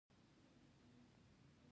د سید اغېزې ته اشاره کوي.